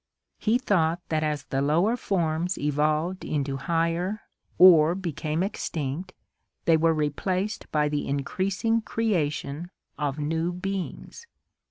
He thought that as the lower forms evolved into higher or became extinct, they were replaced by the increasing creation of new beings.